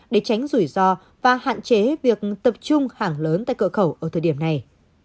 để tránh rủi ro và hạn chế việc tập trung hàng lớn tại cửa khẩu ở thời điểm này